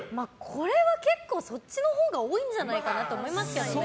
これは結構そっちのほうが多いんじゃないかなと思いますけどね。